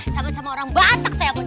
sama sama orang batak saya sama dia